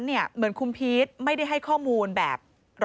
เหมือนคุณพีชไม่ได้ให้ข้อมูลแบบ๑๐๐